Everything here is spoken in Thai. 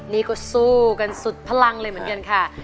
นี้โกดสู้สุดพลังเหมือนกันนี่ค่ะ